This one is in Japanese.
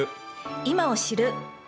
今を知る。